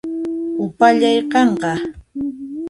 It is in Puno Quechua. Upallay qanqa